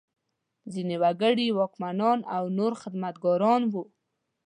ځینې وګړي واکمنان او نور خدمتګاران وو.